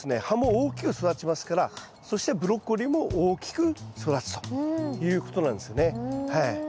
葉も大きく育ちますからそしてブロッコリーも大きく育つということなんですよね。